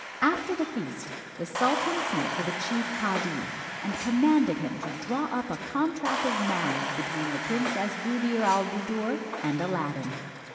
After the feast, the sultan sent for the chief cadi, and commanded him to draw up a contract of marriage between the Princess Buddir al Buddoor and Aladdin.